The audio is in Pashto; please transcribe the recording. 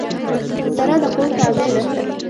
ذره د قوؤ تابع ده.